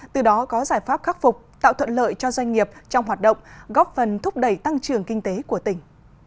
từ đó có giải pháp khắc phục tạo thuận lợi cho doanh nghiệp trong hoạt động góp phần thúc đẩy tăng trưởng kinh tế của tỉnh